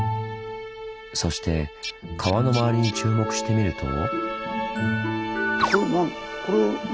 そして川の周りに注目してみると。